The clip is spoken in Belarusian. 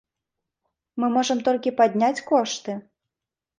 Мы можам толькі падняць кошты.